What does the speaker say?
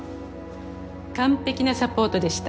完璧なサポートでした。